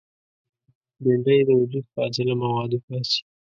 بېنډۍ د وجود فاضله مواد وباسي